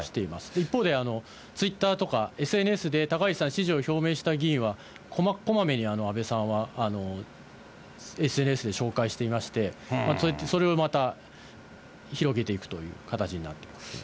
一方で、ツイッターとかＳＮＳで高市さん支持を表明した議員は、こまめに安倍さんはＳＮＳで紹介していまして、それをまた、広げていくという形になってますね。